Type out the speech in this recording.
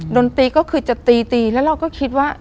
ดนตรีคือจะตี